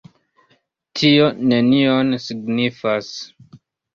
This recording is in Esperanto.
Tio nenion signifas.